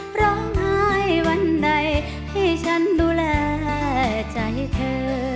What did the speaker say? ร้องไห้วันใดให้ฉันดูแลใจเธอ